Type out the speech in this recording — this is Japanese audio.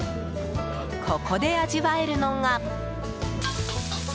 ここで味わえるのが。